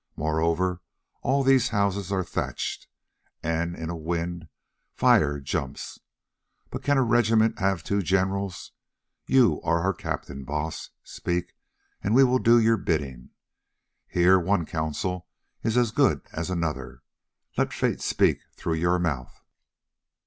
Moreover all these houses are thatched, and in a wind fire jumps. But can a regiment have two generals? You are our captain, Baas; speak and we will do your bidding. Here one counsel is as good as another. Let fate speak through your mouth."